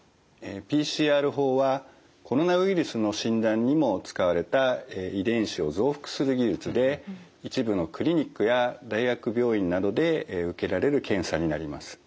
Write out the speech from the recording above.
ＰＣＲ法はコロナウイルスの診断にも使われた遺伝子を増幅する技術で一部のクリニックや大学病院などで受けられる検査になります。